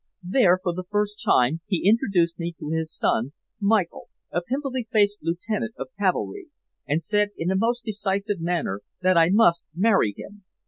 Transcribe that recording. There, for the first time, he introduced me to his son Michael, a pimply faced lieutenant of cavalry, and said in a most decisive manner that I must marry him.